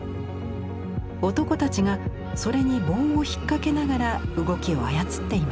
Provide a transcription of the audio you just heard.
男たちがそれに棒を引っ掛けながら動きを操っています。